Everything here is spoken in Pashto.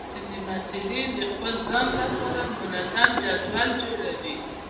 ځینې محصلین د خپل ځان لپاره منظم جدول جوړوي.